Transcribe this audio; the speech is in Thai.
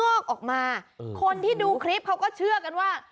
อกออกมาคนที่ดูคลิปเขาก็เชื่อกันว่า